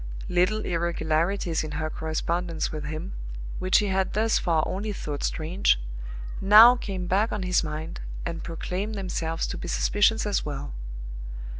Little irregularities in her correspondence with him, which he had thus far only thought strange, now came back on his mind, and proclaimed themselves to be suspicions as well.